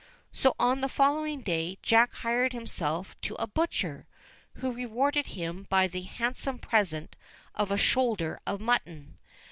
So on the following day, Jack hired himself to a butcher, j who rewarded him by the handsome present of a shoulder ' of mutton.